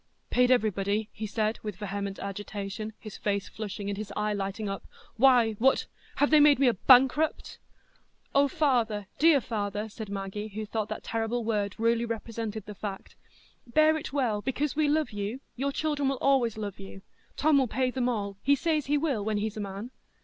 "Paid everybody?" he said, with vehement agitation, his face flushing, and his eye lighting up. "Why—what—have they made me a bankrupt?" "Oh, father, dear father!" said Maggie, who thought that terrible word really represented the fact; "bear it well, because we love you; your children will always love you. Tom will pay them all; he says he will, when he's a man."